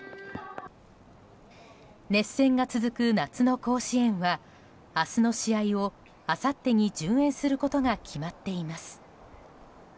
熱戦が続く夏の甲子園は明日の試合をあさってに順延することが決まっています。